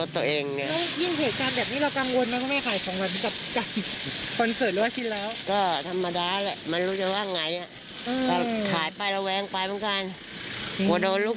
แต่ก็กลัวอยู่ใช่ไหมครับปลากลัว